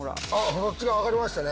そっち側上がりましたね。